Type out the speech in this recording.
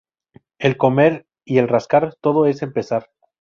El comer y el rascar, todo es empezar